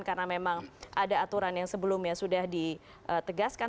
karena memang ada aturan yang sebelumnya sudah ditegaskan